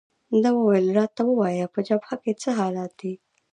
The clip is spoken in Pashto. ده وویل: راته ووایه، په جبهه کې څه حالات دي؟